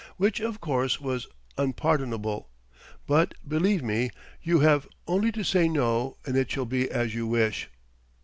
Which, of course, was unpardonable. But, believe me; you have only to say no and it shall be as you wish."